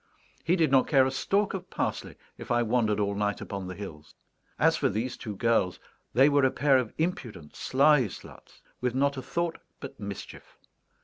He did not care a stalk of parsley if I wandered all night upon the hills! As for these two girls, they were a pair of impudent sly sluts, with not a thought but mischief.